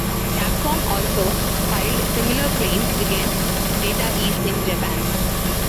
Capcom also filed similar claims against Data East in Japan.